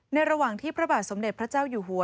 ระหว่างที่พระบาทสมเด็จพระเจ้าอยู่หัว